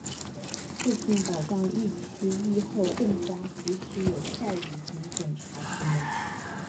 促进、保障疫期、疫后更加及时有效履行检察职能